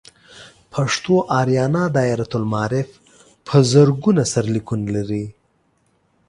پښتو آریانا دایرة المعارف په زرګونه سرلیکونه لري.